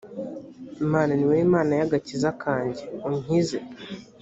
mana ni wowe mana y agakiza kanjye unkize